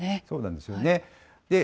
そうなんですよね。